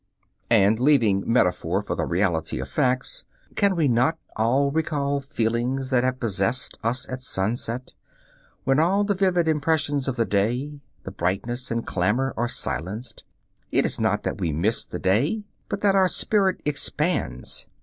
And leaving metaphor for the reality of facts, can we not all recall feelings that have possessed us at sunset, when all the vivid impressions of the day, the brightness and clamor, are silenced? It is not that we miss the day, but that our spirit expands.